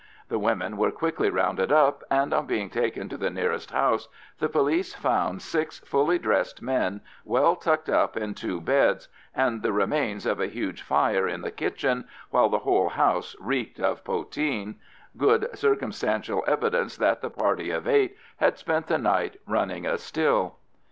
The women were quickly rounded up, and on being taken to the nearest house, the police found six fully dressed men well tucked up in two beds, and the remains of a huge fire in the kitchen, while the whole house reeked of poteen—good circumstantial evidence that the party of eight had spent the night running a still.